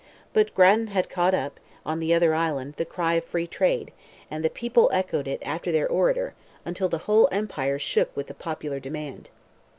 But Grattan had caught up, in the other island, the cry of "free trade," and the people echoed it after their orator, until the whole empire shook with the popular demand.